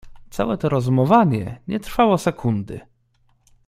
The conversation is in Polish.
"Całe to rozumowanie nie trwało sekundy."